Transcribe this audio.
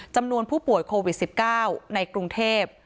จำนวนผู้ป่วยโควิด๑๙ในกรุงเทพ